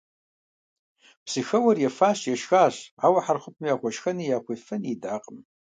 Псыхэуэр ефащ, ешхащ, ауэ Хьэрхъупым яхуэшхэнуи яхуефэни идакъым.